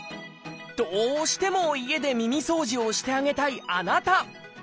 どうしても家で耳そうじをしてあげたいあなた！